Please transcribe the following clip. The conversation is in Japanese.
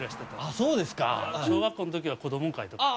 そうですか小学校の時は子ども会とかでああ